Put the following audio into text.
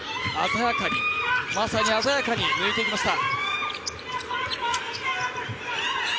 まさに鮮やかに抜いていきました。